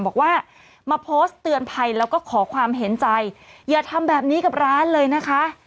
บอกว่ามาโพสต์เตือนภัยแล้วก็ขอความเห็นใจอย่าทำแบบนี้กับร้านเลยนะคะ